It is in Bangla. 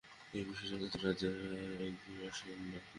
এই বিষয়টি আধ্যাত্মিক রাজ্যের আর এক বিরাট সীমা-নির্দেশ।